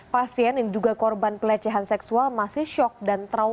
pasien yang diduga korban pelecehan seksual masih shock dan trauma